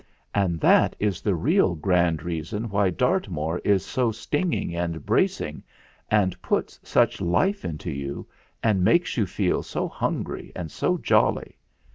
And that is the real grand reason why Dart moor is so stinging and bracing, and puts such life into you, and makes you feel so hungry and so jolly.